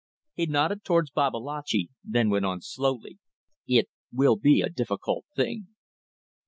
He nodded towards Babalatchi, then went on slowly, "It will be a difficult thing."